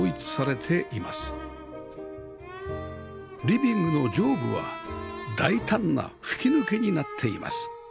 リビングの上部は大胆な吹き抜けになっています